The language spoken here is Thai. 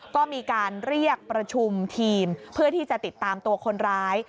ก็มีการเรียกประชุมทีมเพื่อที่จะติดตามตัวคนร้าย